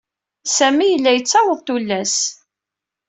Sami yella yettaweḍ tullas.